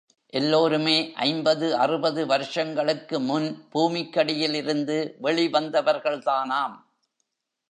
எல்லோருமே ஐம்பது அறுபது வருஷங்களுக்கு முன் பூமிக்கடியில் இருந்து வெளிவந்தவர்கள்தானாம்.